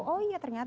oh iya ternyata